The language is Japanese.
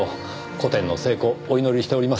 個展の成功お祈りしております。